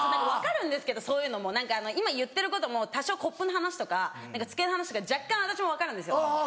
分かるんですけどそういうのも何か今言ってることも多少コップの話とか何か机の話とか若干私も分かるんですよ。